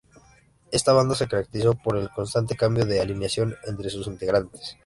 Esta banda, se caracterizó por el constante cambio de alineación entre sus integrantes.